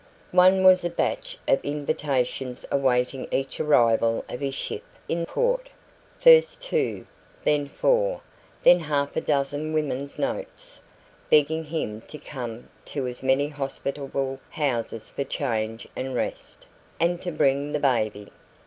One was a batch of invitations awaiting each arrival of his ship in port first two, then four, then half a dozen women's notes, begging him to come to as many hospitable houses for change and rest, and to "bring the baby".